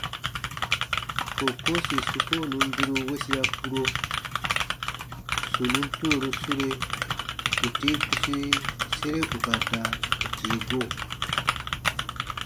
Kookoo sì su koo nùn biru wesia kpuro, sù nùn turoru sure, ù tii tusi sere ù ka da ù tii go.